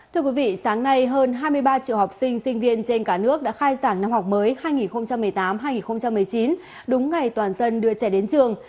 thưa quý vị sáng nay hơn hai mươi ba triệu học sinh sinh viên trên cả nước đã khai giảng năm học mới hai nghìn một mươi tám hai nghìn một mươi chín đúng ngày toàn dân đưa trẻ đến trường